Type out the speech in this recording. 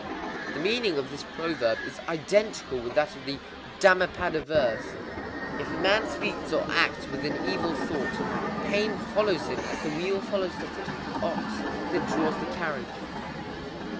The meaning of this proverb is identical with that of the Dhammapada verse:—"If a man speaks or acts with an evil thought, pain follows him as the wheel follows the foot of the ox that draws the carriage."